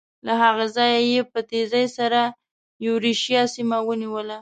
له هغه ځایه یې په تېزۍ سره یورشیا سیمه ونیوله.